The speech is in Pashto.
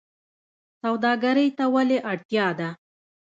سوداګرۍ ته ولې اړتیا ده؟